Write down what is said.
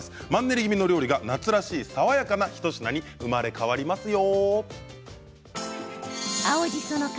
マンネリ気味の料理が夏らしい爽やかな一品に生まれ変わりますよ。